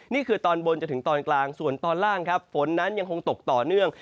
นี่คือตอนบนจนถึงตอนกลางส่วนตอนล่างครับฝนนั้นยังคงตกต่อเนื่อง